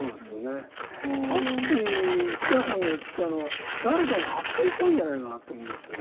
さっき市川さんが言ってたのは誰かが発見したんじゃないかなと思うんですよ。